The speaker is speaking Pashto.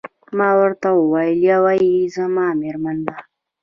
ما ورته وویل: یوه يې زما میرمن ده.